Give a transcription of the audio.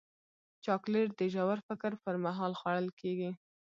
چاکلېټ د ژور فکر پر مهال خوړل کېږي.